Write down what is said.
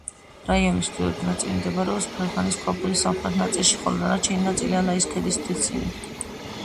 რაიონის ჩრდილოეთი ნაწილი მდებარეობს ფერღანის ქვაბულის სამხრეთ ნაწილში, ხოლო დანარჩენი ნაწილი ალაის ქედის მთისწინეთში.